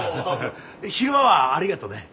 昼間はありがとね。